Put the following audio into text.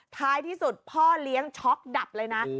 ท้ายที่สุดพ่อเลี้ยงช็อกดับเลยนะ